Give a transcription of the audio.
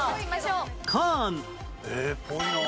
えっっぽいな。